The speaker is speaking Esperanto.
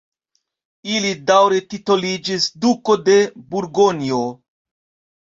Ili daŭre titoliĝis duko de Burgonjo.